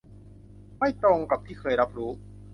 ไม่ตรงกับที่เคยรับรู้